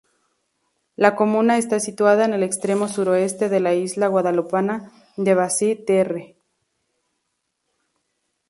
La comuna está situada en el extremo suroeste de la isla guadalupana de Basse-Terre.